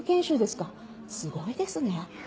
すごいですね。